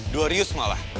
dua rius malah